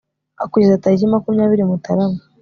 kugeza tariki makumyabiri mutarama